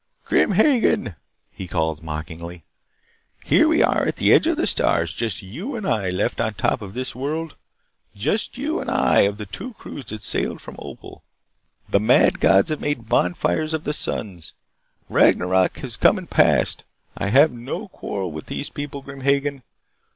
"Grim Hagen," he called mockingly. "Here we are at the edge of the stars. Just you and I left on top of this world. Just you and I of the two crews that sailed from Opal. The mad gods have made bonfires of the suns. Ragnarok has come and passed. I have no quarrel with these people, Grim Hagen.